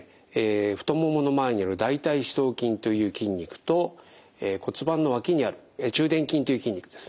太ももの前にある大腿四頭筋という筋肉と骨盤の脇にある中殿筋という筋肉ですね。